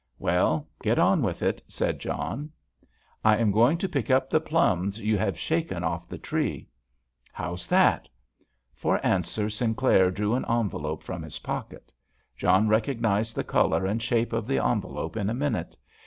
"Well, get on with it," said John. "I am going to pick up the plums you have shaken off the tree." "How's that?" For answer Sinclair drew an envelope from his pocket. John recognised the colour and shape of the envelope in a minute.